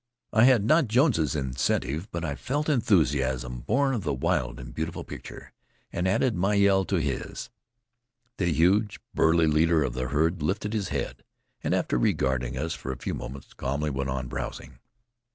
I had not Jones's incentive, but I felt enthusiasm born of the wild and beautiful picture, and added my yell to his. The huge, burly leader of the herd lifted his head, and after regarding us for a few moments calmly went on browsing.